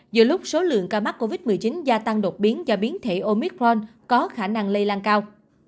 giữa lúc số lượng ca mắc covid một mươi chín gia tăng đột biến do biến thể omicron có khả năng lây lan cao